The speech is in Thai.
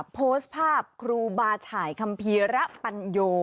โพสต์ภาพครูบาฉ่ายคัมภีระปัญโย